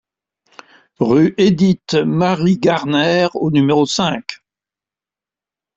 Rue Édith Mary Garner au numéro cinq